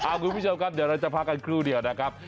เอาคุณพี่เชียวกันเดี๋ยวเราจะพากันครู่เดียวนะครับ